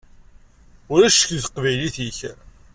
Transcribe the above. Ulac ccek deg teqbaylit-ik.